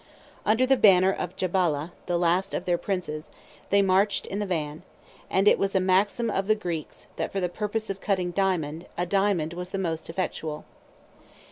Under the banner of Jabalah, the last of their princes, they marched in the van; and it was a maxim of the Greeks, that for the purpose of cutting diamond, a diamond was the most effectual.